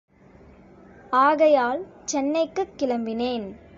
ஆகையால் சென்னைக்குக் கிளம்பினேன்.